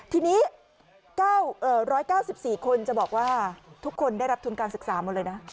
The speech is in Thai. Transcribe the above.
ทีนี้๑๙๔คนจะบอกว่าทุกคนได้รับทุนการศึกษาหมดเลยนะ